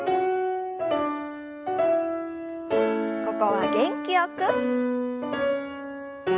ここは元気よく。